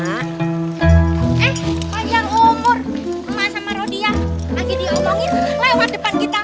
eh panjang umur emak sama rodia lagi diomongin lewat depan kita